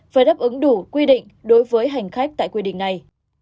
phải đáp ứng đủ quy định đối với hành khách tại quy định này